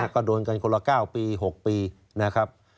ก็โดนกันคนละ๙ปี๖ปีนะครับ